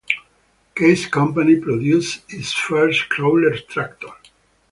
Case Company produced its first crawler tractor.